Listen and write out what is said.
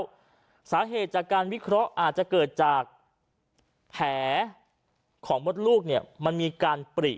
แล้วสาเหตุจากการวิเคราะห์อาจจะเกิดจากแผลของมดลูกเนี่ยมันมีการปริ